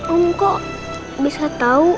om kok bisa tau